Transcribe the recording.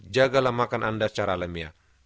jagalah makan anda secara lemnya